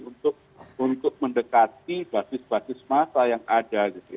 untuk mendekati basis basis masa yang ada